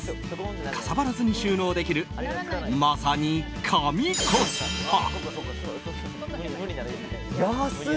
かさばらずに収納できるまさに神コスパ！